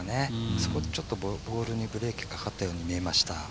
そこでちょっとボールにブレーキかかったように見えました。